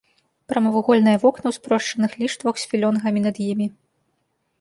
Прамавугольныя вокны ў спрошчаных ліштвах з філёнгамі над імі.